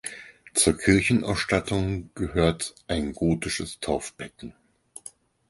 Zur Kirchenausstattung gehört ein gotisches Taufbecken.